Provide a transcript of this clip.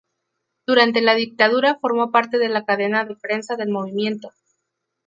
Durante la dictadura formó parte de la Cadena de Prensa del Movimiento.